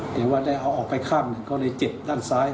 แต่ว่าได้เอาออกไปข้างหนึ่งก็เลยเจ็บด้านซ้าย